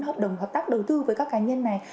hợp đồng hợp tác đầu tư với các cá nhân này